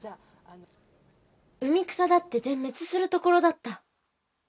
海草だって全滅するところだった。